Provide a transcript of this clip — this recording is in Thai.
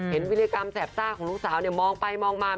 เห็นวิริการแจบจ้าของลูกสาวมองไปมองมา